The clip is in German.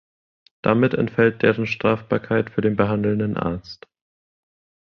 Damit entfällt deren Strafbarkeit für den behandelnden Arzt.